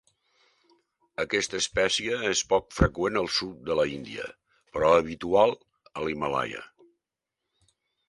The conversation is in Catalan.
Aquesta espècie és poc freqüent al sud de l'Índia però habitual a l'Himàlaia.